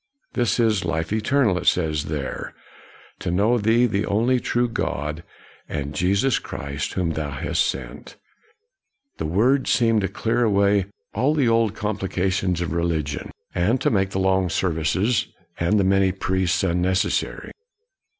''" This is life eternal," it says there, " to know Thee the only true God, and Jesus Christ whom Thou hast sent." The words seemed to clear away all the old complications of KNOX ' 125 religion, and to make the long services and the many priests unnecessary.